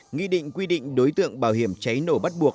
nghị định quy định đối tượng bảo hiểm cháy nổ bắt buộc